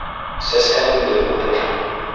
Сәскәнеңде урырһың